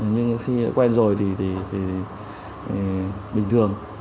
nhưng khi đã quen rồi thì bình thường